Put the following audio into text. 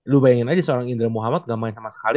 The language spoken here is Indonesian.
lu bayangin aja seorang indra muhammad gamai sama sekali